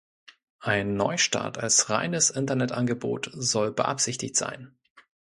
Ein Neustart als reines Internet-Angebot soll beabsichtigt sein.